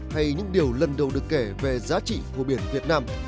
hay những điều lần đầu được kể về giá trị của biển việt nam